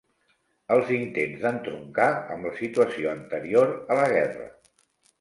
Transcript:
Els intents d'entroncar amb la situació anterior a la guerra.